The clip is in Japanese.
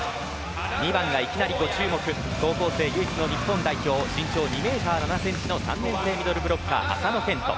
２番は、いきなりご注目高校生唯一の日本代表身長２メートル７センチの３年生ミドルブロッカー麻野堅斗。